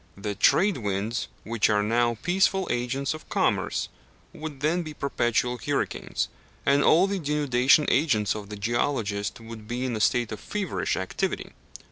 The trade winds, which are now peaceful agents of commerce, would then be perpetual hurricanes, and all the denudation agents of the geologist would be in a state of feverish activity.